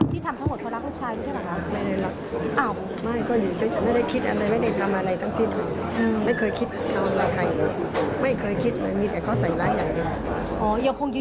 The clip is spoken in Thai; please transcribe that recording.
เมื่อในนี้